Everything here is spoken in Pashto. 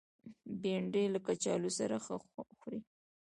بېنډۍ له کچالو سره ښه خوري